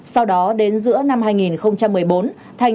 sau đó đến giữa năm hai nghìn một mươi bốn thành